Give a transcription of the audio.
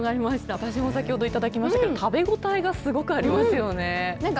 私も先ほど頂きましたけど、食べ応えがすごくありますよね。